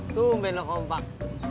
itu om bin lo kompak